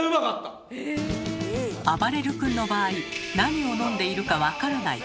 あばれる君の場合何を飲んでいるか分からない